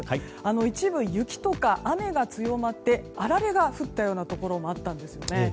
一部、雪とか雨が強まってあられが降ったようなところもあったんですよね。